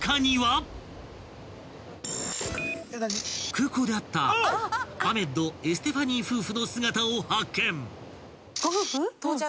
［空港で会ったアメッドエステファニー夫婦の姿を発見］